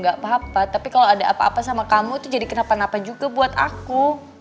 gapapa tapi kalo ada apa apa sama kamu tuh jadi kenapa napa juga buat aku